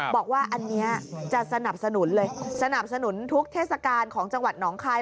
บอกว่าอันนี้จะสนับสนุนเลยสนับสนุนทุกเทศกาลของจังหวัดหนองคาย